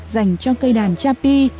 dành cho cây đàn cha pi